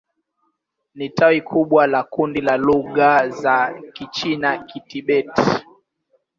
Ni tawi kubwa la kundi la lugha za Kichina-Kitibet.